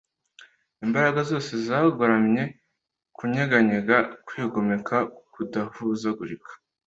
imbaraga zose zigoramye, kunyeganyega kwigomeka, kudahuzagurika